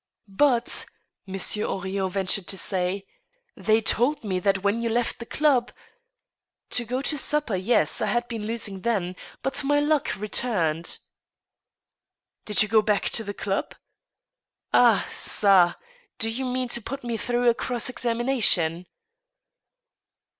" But," Monsieur Henrion ventured to say, " they told me that w^en you left the club—" " To go to supper, yes, I had been losing then, but my luck re turned." " Did you go back to the club ?" Ah/ (a, do you mean to put me through a cross examina tion?"